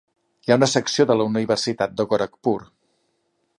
Hi ha una secció de la universitat de Gorakhpur.